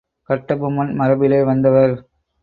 கட்டபொம்மன் மரபிலே வந்தவர்.